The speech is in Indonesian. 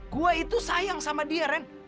gue itu sayang sama dia kan